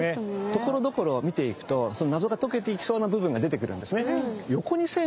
ところどころを見ていくとその謎が解けていきそうな部分が出てくるんですね。